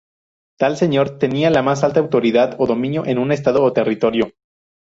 Tal señor tenía la más alta autoridad o dominio en un estado o territorio.